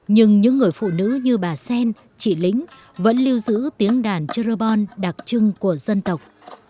nhưng những người phụ nữ như bà xen chị lính vẫn lưu giữ tiếng đàn cherubon đặc trưng của dân tộc